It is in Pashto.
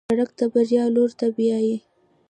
سړک د بریا لور ته بیایي.